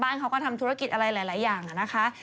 เขาก็ทำธุรกิจอะไรหลายอย่างนะคะ